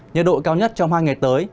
nhiệt độ cao nhất trong hai ngày tới